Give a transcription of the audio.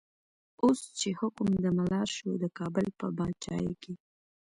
اوس چی حکم د ملا شو، د کابل په با چايې کی